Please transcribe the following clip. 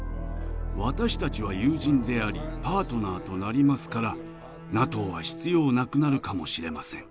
「私たちは友人でありパートナーとなりますからＮＡＴＯは必要なくなるかもしれません。